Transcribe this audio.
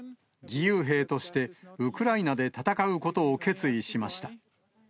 義勇兵としてウクライナで戦うことを決意しました。